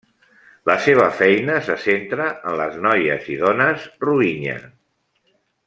La seva feina se centra en les noies i dones rohingya.